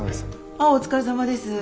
ああお疲れさまです。